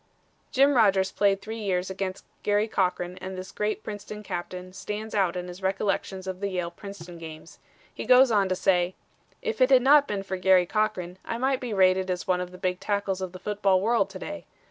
Jim Rodgers played three years against Garry Cochran and this great Princeton captain stands out in his recollections of Yale Princeton games. He goes on to say: "If it had not been for Garry Cochran, I might be rated as one of the big tackles of the football world to day.